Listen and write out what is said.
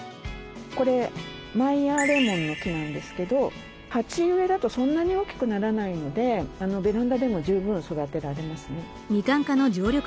これマイヤーレモンの木なんですけど鉢植えだとそんなに大きくならないのでベランダでも十分育てられますね。